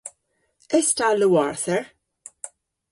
Es ta lowarther?